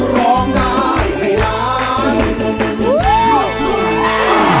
คุณกบร้องได้ไงล่ะ